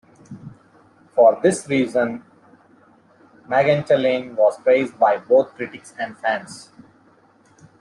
For this reason, "Magentalane" was praised by both critics and fans.